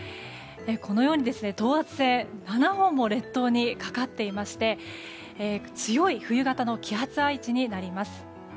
このように等圧線が７本も列島にかかっていまして強い冬型の気圧配置になります。